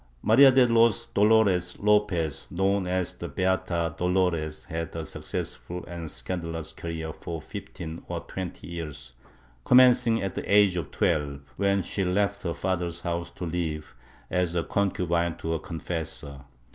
Maria de los Dolores Lopez, known as the Beata Dolores, had a success ful and scandalous career for fifteen or twenty years, commencing at the age of twelve, when she left her father's house to live as a concubine with her confessor.